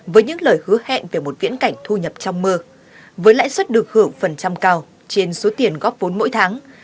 với những lời hứa hẹn về một viễn cảnh thu nhập trong mơ với lãi suất được hưởng phần trăm cao trên số tiền góp vốn mỗi tháng